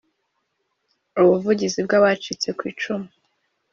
Ubuvugizi bw Abacitse Ku Icumu